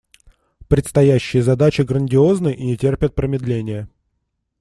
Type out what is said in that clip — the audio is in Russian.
Предстоящие задачи грандиозны и не терпят промедления.